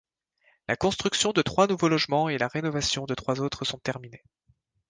La construction de trois nouveaux logements et la rénovation de trois autres sont terminées.